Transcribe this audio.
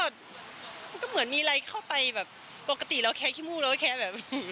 มันก็เหมือนมีอะไรเข้าไปแบบปกติเราแค่ขี้มู่เราก็แคร์แบบ